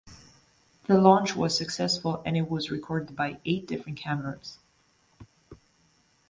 The launch was successful and it was recorded by eight different cameras.